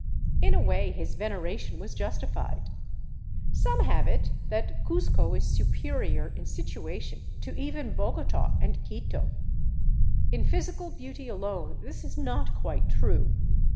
In a way his veneration was justified. Some have it that Cuzco 423 VAGABONDING DOWN THE ANDES is superior in situation to even Bogota and Quito. In physical beauty alone this is not quite true.